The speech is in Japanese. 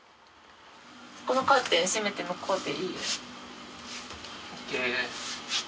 このカーテン閉めて向こうで。